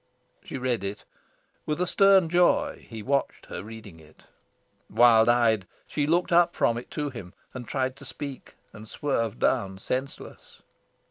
She read it. With a stern joy he watched her reading it. Wild eyed, she looked up from it to him, tried to speak, and swerved down senseless.